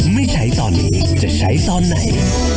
ไม่ใช้ตอนนี้จะใช้ตอนไหน